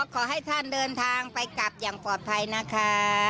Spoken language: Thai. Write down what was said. ขอให้ท่านเดินทางไปกลับอย่างปลอดภัยนะคะ